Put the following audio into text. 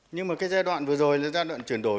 nhưng mà cái giai đoạn vừa rồi là giai đoạn chuyển đổi